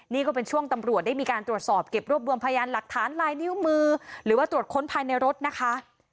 นี่ก็เป็นช่วงตำรวจได้มีการตรวจสอบเก็บรวบรวมพยานหลักฐานลายนิ้วมือหรือว่าตรวจค้นภายในรถนะคะ